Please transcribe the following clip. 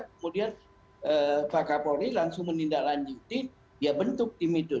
kemudian pak kapolri langsung menindaklanjuti dia bentuk tim itu